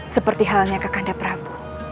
seperti halnya kakanda prabu